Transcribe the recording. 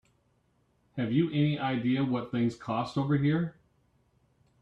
Have you any idea what these things cost over here?